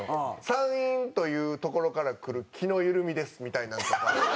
「山陰という所から来る気の緩みです」みたいなのとか。